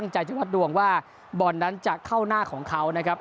ใจที่วัดดวงว่าบอลนั้นจะเข้าหน้าของเขานะครับ